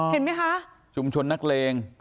เห็นไหมคะชุมชนนักเลง